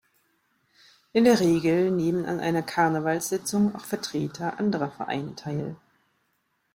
In der Regel nehmen an einer Karnevalssitzung auch Vertreter anderer Vereine teil.